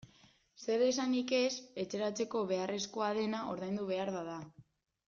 Zer esanik ez etxeratzeko beharrezkoa dena ordaindu behar bada.